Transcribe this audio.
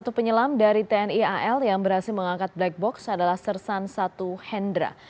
satu penyelam dari tni al yang berhasil mengangkat black box adalah sersan satu hendra